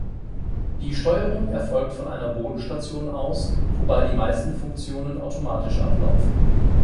Die Steuerung erfolgt von einer Bodenstation aus, wobei die meisten Funktionen automatisch ablaufen.